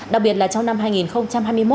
đặc biệt là trong năm hai nghìn hai mươi một